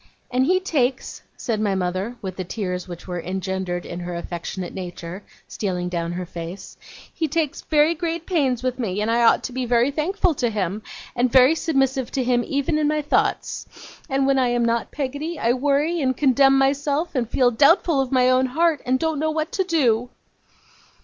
And he takes,' said my mother, with the tears which were engendered in her affectionate nature, stealing down her face, 'he takes great pains with me; and I ought to be very thankful to him, and very submissive to him even in my thoughts; and when I am not, Peggotty, I worry and condemn myself, and feel doubtful of my own heart, and don't know what to do.